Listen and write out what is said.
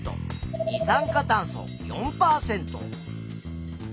二酸化炭素４％。